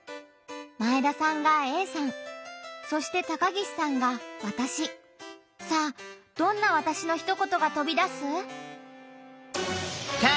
前田さんが「Ａさん」そして高岸さんが「わたし」。さあどんな「わたし」のひと言がとび出す？